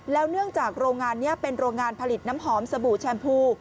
เนื่องจากโรงงานนี้เป็นโรงงานผลิตน้ำหอมสบู่แชมพู